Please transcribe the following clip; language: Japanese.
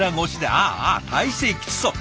ああ体勢きつそう。